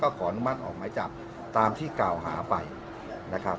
อ๋อขออนุญาตเป็นในเรื่องของการสอบสวนปากคำแพทย์ผู้ที่เกี่ยวข้องให้ชัดแจ้งอีกครั้งหนึ่งนะครับ